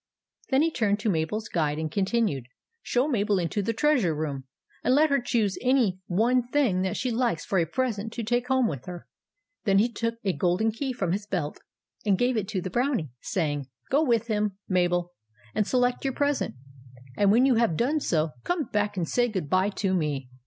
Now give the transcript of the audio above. Then he turned to Mabel's guide and continued, " Show Mabel into the Treasure Room, and let her choose any one thing that she likes for a present to take home with her." 14 iqo THE ADVENTURES OF MABEL Then he took a golden key from his belt, and gave it to the Brownie, saying :" Go with him, Mabel, and select your present ; and when you have done so, come back and say good bye to me."